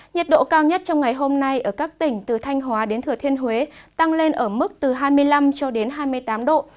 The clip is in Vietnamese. nhiệt độ cao nhất trong ngày hôm nay ở các tỉnh từ thanh hóa đến thừa thiên huế tăng lên ở mức từ hai mươi năm cho đến hai mươi tám độ